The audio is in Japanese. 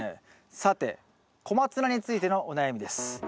さてコマツナについてのお悩みです。え？